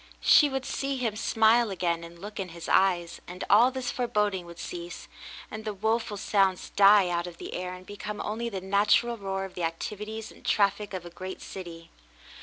She would see him smile again and look in his eyes, and all this foreboding would cease, and the woful sounds die out of the air and become only the natural roar of the activities and traflfic of a great city.